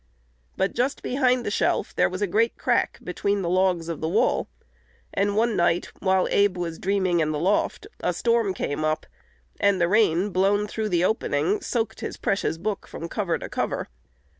But just behind the shelf there was a great crack between the logs of the wall; and one night, while Abe was dreaming in the loft, a storm came up, and the rain, blown through the opening, soaked his precious book from cover to cover.